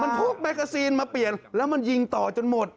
มันพกแกซีนมาเปลี่ยนแล้วมันยิงต่อจนหมด